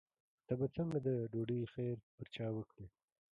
ته به څنګه د ډوډۍ خیر پر چا وکړې.